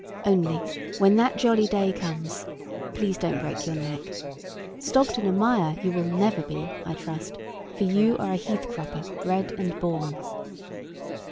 Only when that jolly day comes, please don't break your neck; stogged in a mire you never will be, I trust; for you are a heath cropper bred and born.